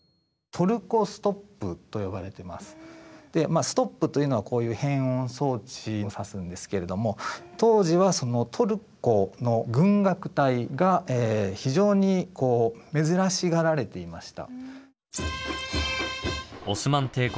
でまあ「ストップ」というのはこういう変音装置を指すんですけれども当時はそのトルコの軍楽隊が非常にこう珍しがられていました。